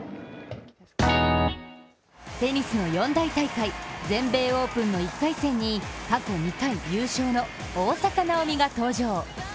テニスの四大大会、全米オープンの１回戦に過去２回優勝の大坂なおみが登場。